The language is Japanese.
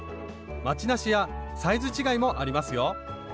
まちなしやサイズ違いもありますよ。